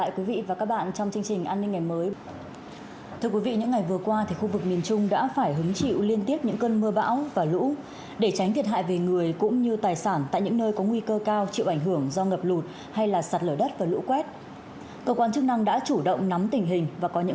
các bạn hãy đăng ký kênh để ủng hộ kênh của chúng mình nhé